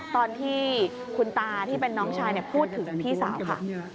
ตอนที่คุณตาที่เป็นน้องชายพูดถึงพี่สาวค่ะ